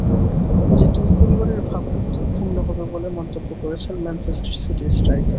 এতে দুই পরিবারের ভাবমূর্তিই ক্ষুণ্ন হবে বলে মন্তব্য করেছেন ম্যানচেস্টার সিটি স্ট্রাইকার।